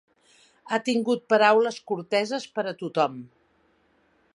Ha tingut paraules corteses per a tothom.